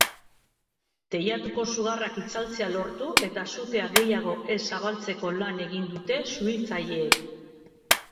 Teilatuko sugarrak itzaltzea lortu eta sutea gehiago ez zabaltzeko lan egin dute suhitzaileek.